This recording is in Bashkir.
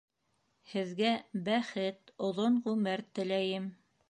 Һеҙгә бәхет, оҙон ғүмер теләйем.